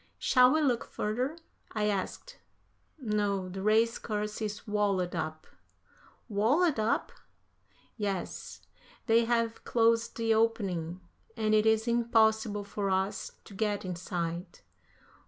"Shall we look further?" I asked. "No, the race course is walled up." "Walled up?" "Yes, they have closed the opening, and it is impossible for us to get inside."